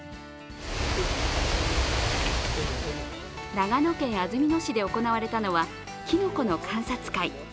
長野県安曇野市で行われたのはきのこの観察会。